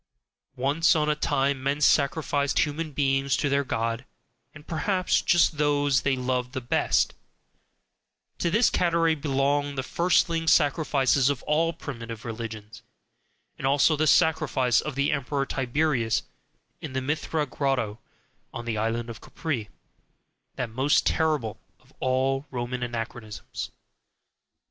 Once on a time men sacrificed human beings to their God, and perhaps just those they loved the best to this category belong the firstling sacrifices of all primitive religions, and also the sacrifice of the Emperor Tiberius in the Mithra Grotto on the Island of Capri, that most terrible of all Roman anachronisms.